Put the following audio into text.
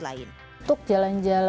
dan perusahaan yang berbeda